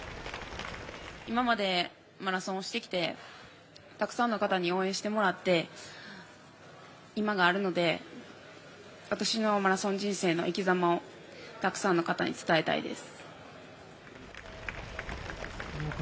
今までマラソンをしてきてたくさんの方に応援してもらって今があるので、私のマラソン人生の生きざまをたくさんの方に伝えたいです。